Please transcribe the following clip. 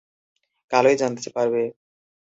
কালই জানতে পারবে।